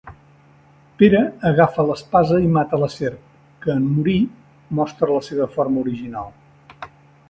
Pere agafa l'espasa i mata la serp, que en morir mostra la seva forma original.